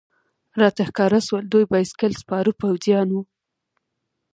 راته ښکاره شول، دوی بایسکل سپاره پوځیان و.